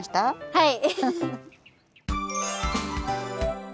はい！